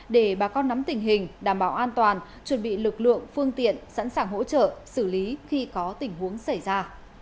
để bà con nắm tình hình đảm bảo an toàn chuẩn bị lực lượng phương tiện sẵn sàng hỗ trợ xử lý khi có tình huống xảy ra